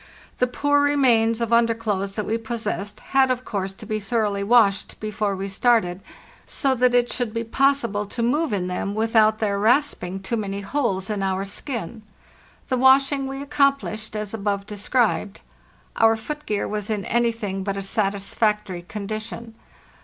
The poor remains of underclothes that we possessed had, of course, to be thoroughly washed before we started, so that it should be possible to move in them without their rasping too many holes in our skin. The washing we accomplished as above described. Our foot gear was in anything but a satisfactory condition.